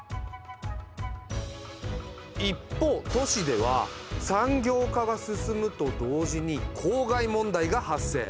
一方都市では産業化が進むと同時に公害問題が発生。